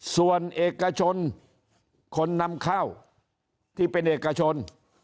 ส่วนเอกชนคนนำเข้าที่เป็นเอกชน